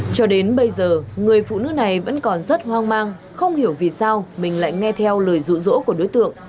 cho đến bây giờ người phụ nữ này vẫn còn rất hoang mang không hiểu vì sao mình lại nghe theo lời rụ rỗ của đối tượng